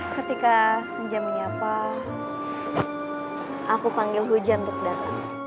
ketika senja menyapa aku panggil hujan untuk datang